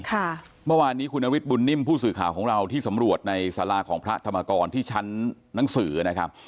เมื่อวานนี้คุณนฤทธบุญนิ่มผู้สื่อข่าวของเราที่สำรวจในสาราของพระธรรมกรที่ชั้นหนังสือนะครับ